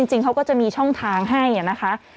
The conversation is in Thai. จริงเขาก็จะมีช่องทางให้นะคะ